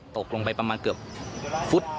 ตกลงไปประมาณเกือบฟุต